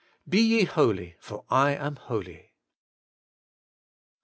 BE YE HOLY, FOR I AM HOLY.